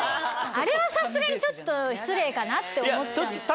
あれはさすがにちょっと失礼かなって思っちゃうんですよね。